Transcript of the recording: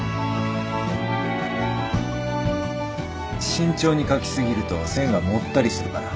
慎重に書き過ぎると線がもったりするから。